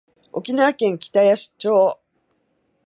沖縄県北谷町